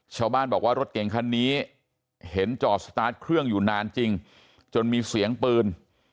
ชาวบ้านบอกว่ารถเก่งคันนี้เห็นจอดสตาร์ทเครื่องอยู่นานจริงจนมีเสียงปืน